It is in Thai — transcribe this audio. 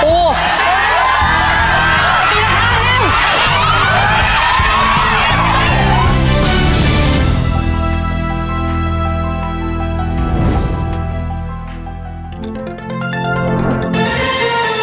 โปรดติดตามตอนต่อไป